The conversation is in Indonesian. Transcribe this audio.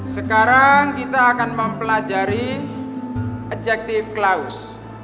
sekarang kita akan mempelajari adjective clause